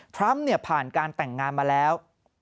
ทรัมป์ผ่านการแต่งงานมาแล้ว